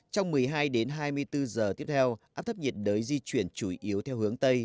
trong một mươi hai đến hai mươi bốn giờ tiếp theo áp thấp nhiệt đới di chuyển chủ yếu theo hướng tây